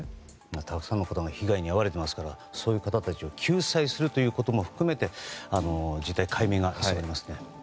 たくさんの方が被害に遭われていますからそういう方たちを救済するということも含めて実態解明が急がれますね。